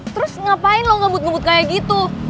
terus ngapain loh ngebut ngebut kayak gitu